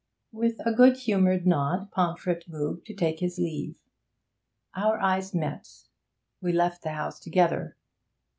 With a good humoured nod Pomfret moved to take his leave. Our eyes met; we left the house together.